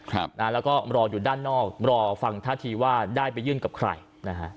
ครับนะฮะแล้วก็รออยู่ด้านนอกรอฟังท่าทีว่าได้ไปยื่นกับใครนะฮะ